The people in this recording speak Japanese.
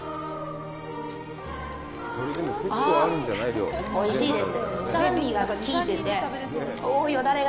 ああ、おいしいです。